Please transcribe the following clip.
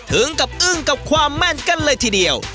ถึงกับอึ้งกับความแม่นกันเลยทีเดียว